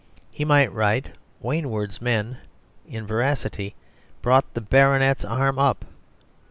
He might write, "Wainwood's 'Men vary in veracity,' brought the baronet's arm up.